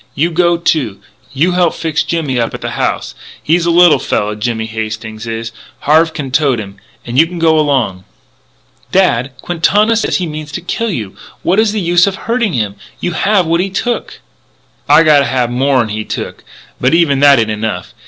You go too. You help fix Jimmy up at the house. He's a little fella, Jimmy Hastings is. Harve can tote him. And you go along " "Dad, Quintana says he means to kill you! What is the use of hurting him? You have what he took " "I gotta have more'n he took. But even that ain't enough.